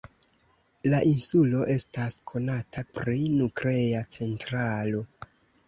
La insulo estas konata pri nuklea centralo.